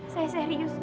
saya serius non